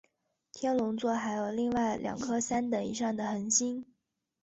天龙座还有另外两颗三等以上的恒星。